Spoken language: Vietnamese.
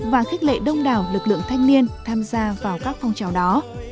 và khích lệ đông đảo lực lượng thanh niên tham gia vào các phong trào đó